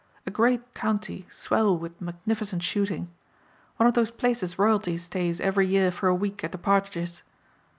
A great county swell with magnificent shooting. One of those places royalty stays every year for a week at the partridges.